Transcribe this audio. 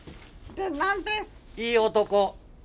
いい男！